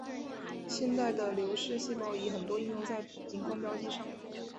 现代的流式细胞仪很多应用在荧光标记上。